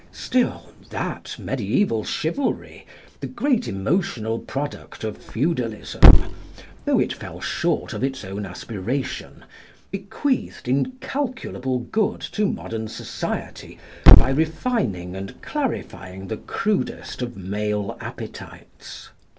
Still that mediæval chivalry, the great emotional product of feudalism, though it fell short of its own aspiration, bequeathed incalculable good to modern society by refining and clarifying the crudest of male appetites.